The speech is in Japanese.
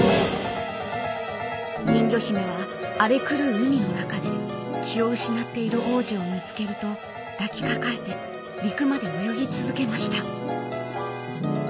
人魚姫は荒れ狂う海の中で気を失っている王子を見つけると抱きかかえて陸まで泳ぎ続けました。